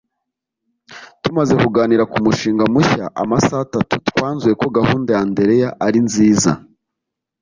Tumaze kuganira ku mushinga mushya amasaha atatu twanzuye ko gahunda ya Andereya ari nziza